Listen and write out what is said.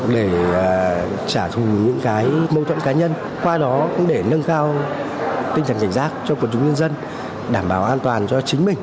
để trả thù những cái mâu thuẫn cá nhân qua đó cũng để nâng cao tinh thần cảnh giác cho quần chúng nhân dân đảm bảo an toàn cho chính mình